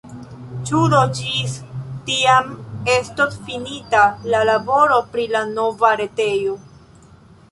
Ĉu do ĝis tiam estos finita la laboro pri la nova retejo?